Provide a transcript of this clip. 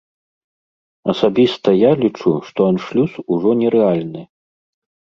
Асабіста я лічу, што аншлюс ужо нерэальны.